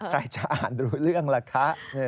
ใครจะอ่านรู้เรื่องล่ะคะ